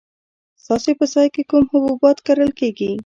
ستاسو په ځای کې کوم حبوبات کرل کیږي؟